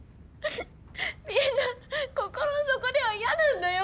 みんな心の底では嫌なんだよ！